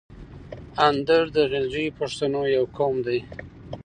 اندړ د غلجیو پښتنو یو قوم ده.